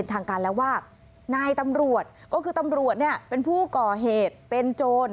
ทางการแล้วว่านายตำรวจก็คือตำรวจเนี่ยเป็นผู้ก่อเหตุเป็นโจร